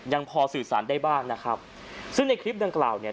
พอสื่อสารได้บ้างนะครับซึ่งในคลิปดังกล่าวเนี่ย